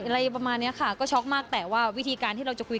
อะไรประมาณนี้ค่ะก็ช็อกมากแต่ว่าวิธีการที่เราจะคุย